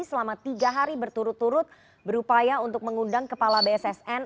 selama tiga hari berturut turut berupaya untuk mengundang kepala bssn